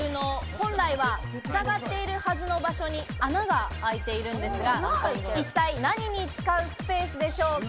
本来は、ふさがっているはずの場所に穴が開いているんですが、一体何に使うスペースでしょうか？